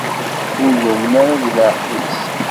Ur dumen ara di leɛqed-is.